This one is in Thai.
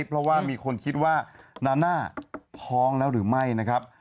เพราะว่ามีคนคิดว่านาน่าท้องแล้วหรือไม่นะครับ